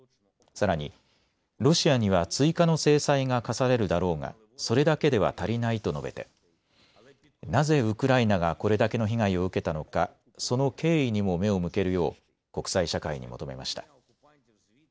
さらに、ロシアには追加の制裁が科されるだろうがそれだけでは足りないと述べてなぜウクライナがこれだけの被害を受けたのかその経緯にも目を向けるよう国際社会に求めました。